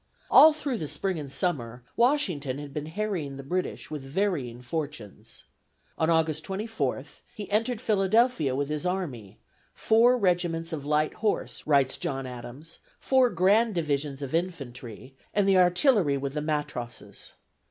All through the spring and summer Washington had been harrying the British with varying fortunes. On August 24th, he entered Philadelphia with his army: four regiments of light horse, writes John Adams, four grand divisions of infantry, and the artillery with the matrosses.